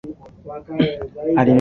Alinunua gari jipya